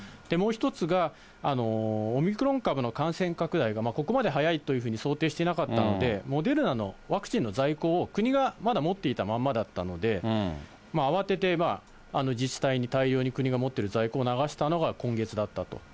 もう一つが、オミクロン株の感染拡大が、ここまで早いというふうに想定していなかったので、モデルナのワクチンの在庫を国がまだ持っていたまんまだったので、慌てて、自治体に国が持っている在庫を流したのが今月だったと。